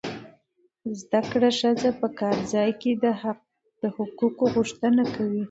زده کړه ښځه په کار ځای کې د حقوقو غوښتنه کوي.